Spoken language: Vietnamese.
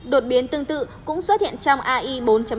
đột biến tương tự cũng xuất hiện trong ai bốn